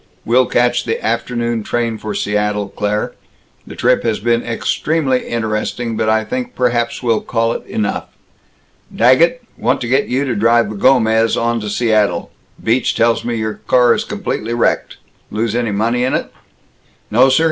We'll catch the afternoon train for Seattle, Claire. The trip has been extremely interesting, but I think perhaps we'll call it enough. Daggett, want to get you to drive the Gomez on to Seattle. Beach tells me your car is completely wrecked. Lose any money in it?" "No, sir.